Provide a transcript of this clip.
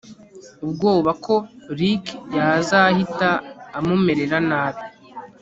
ubwoba ko Rick yazahita amumerera nabi